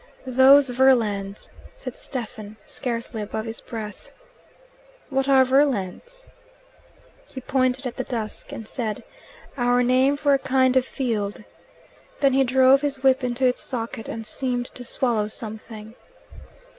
"Those verlands " said Stephen, scarcely above his breath. "What are verlands?" He pointed at the dusk, and said, "Our name for a kind of field." Then he drove his whip into its socket, and seemed to swallow something.